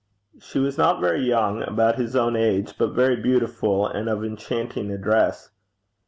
She was not very young, about his own age, but very beautiful, and of enchanting address.